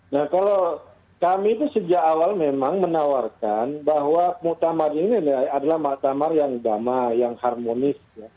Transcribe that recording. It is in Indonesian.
nah kalau kami itu sejak awal memang menawarkan bahwa muktamar ini adalah muktamar yang damai yang harmonis